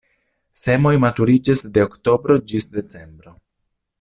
Semoj maturiĝas de oktobro ĝis decembro.